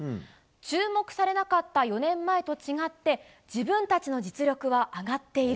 注目されなかった４年前と違って自分たちの実力は上がっている。